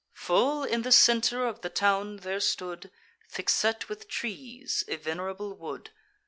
Full in the centre of the town there stood, Thick set with trees, a venerable wood.